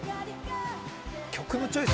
曲のチョイス